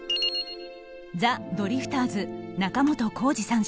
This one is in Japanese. ザ・ドリフターズ仲本工事さん